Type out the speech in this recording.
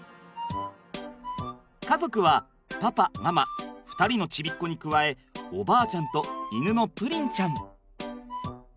家族はパパママ２人のちびっこに加えおばあちゃんと犬のプリンちゃん。